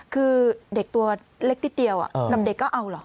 คือเด็กตัวเล็กนิดเดียวนำเด็กก็เอาเหรอ